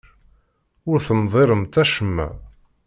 Ur temḍilemt acemma.